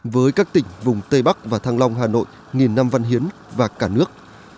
với các tỉnh vùng tây bắc và thăng long hà nội nghìn năm văn hiến và cả nước